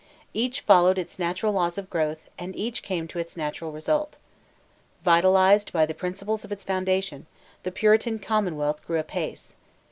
Each followed its natural laws of growth, and each came to its natural result. Vitalized by the principles of its foundation, the Puritan commonwealth grew apace.